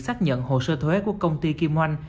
xác nhận hồ sơ thuế của công ty kim oanh